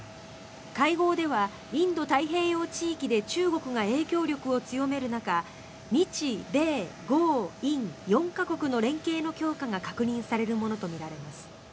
会合ではインド太平洋地域で中国が影響力を強める中日米豪印４か国の連携の強化が確認されるものとみられます。